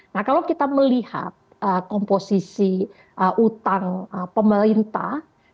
nah kalau kita melihat komposisi utang pemerintah